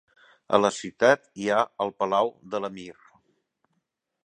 A la ciutat hi ha el palau de l'emir.